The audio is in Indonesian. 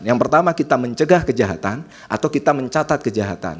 yang pertama kita mencegah kejahatan atau kita mencatat kejahatan